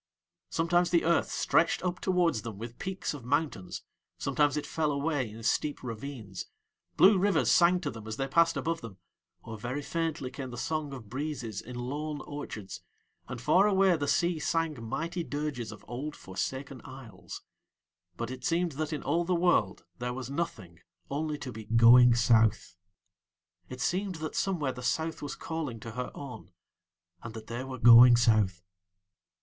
Sometimes the earth stretched up towards them with peaks of mountains, sometimes it fell away in steep ravines, blue rivers sang to them as they passed above them, or very faintly came the song of breezes in lone orchards, and far away the sea sang mighty dirges of old forsaken isles. But it seemed that in all the world there was nothing only to be going South. It seemed that somewhere the South was calling to her own, and that they were going South.